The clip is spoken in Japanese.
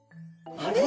あれ？